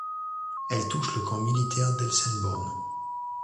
Elle touche le camp militaire d'Elsenborn.